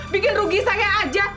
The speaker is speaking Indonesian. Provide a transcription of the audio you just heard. bikin rugi saya aja